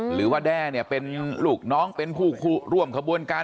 หรือว่าแด่เนี่ยเป็นลูกน้องเป็นคู่ร่วมความสม่ำการ